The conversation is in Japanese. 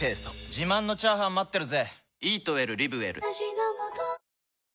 自慢のチャーハン待ってるぜ！